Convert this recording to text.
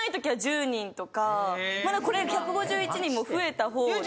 まだこれ１５１人も増えた方で。